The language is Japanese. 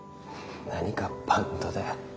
何がバンドだよ。